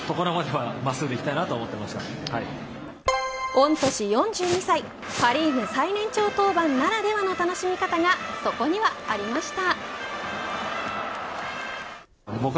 御年４２歳パ・リーグ最年長登板ならではの楽しみ方がそこにはありました。